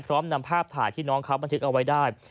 นำภาพถ่ายที่น้องเขาบันทึกเอาไว้ได้